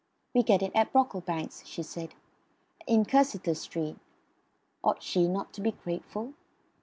"We get it at Brocklebank's," she said, "in Cursitor Street." Ought she not to be grateful?